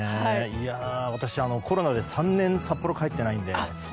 私コロナで３年、札幌に帰ってないので。